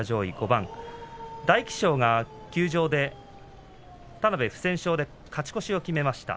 大喜翔が休場で田邉は不戦勝で勝ち越しを決めました。